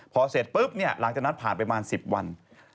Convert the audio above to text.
พอเสร็จปุ๊บหลังจากนั้นผ่านไปประมาณ๑๐วัน